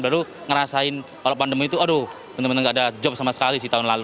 baru ngerasain kalau pandemi itu aduh benar benar nggak ada job sama sekali sih tahun lalu